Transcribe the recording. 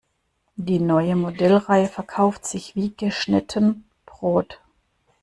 Die neue Modellreihe verkauft sich wie geschnitten Brot.